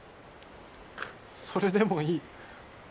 それでもいい。